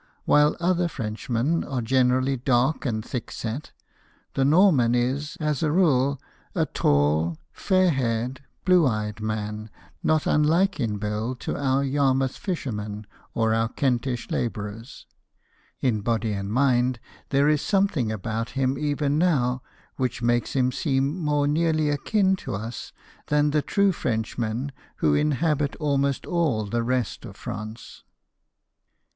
While other Frenchmen are generally dark and thick set, the Norman is, as a rule, a tall, fair haired, blue eyed man, not unlike in build to our Yarmouth fisherman, or our Kentish labourers. In body and mind, there is some thing about him even now which makes him secim more nearly akin to us than the true Frenchmen who inhabit almost all the rest of France.